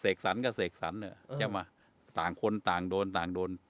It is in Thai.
เสกสรรค์ก็เสกสรรค์เนี่ยเออใช่ไหมต่างคนต่างโดนต่างโดน